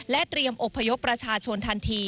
เตรียมอบพยพประชาชนทันที